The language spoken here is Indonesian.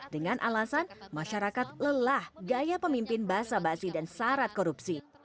dengan alasan masyarakat lelah gaya pemimpin basa basi dan syarat korupsi